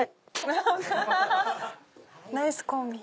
ナイスコンビ。